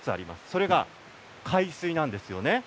それが、海水なんですよね。